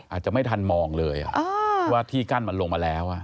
อาจจะไม่ทันมองเลยว่าที่กั้นมันลงมาแล้ว